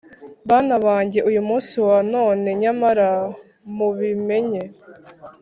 bana banjye, uyu munsi wa none nyamara mubimenye,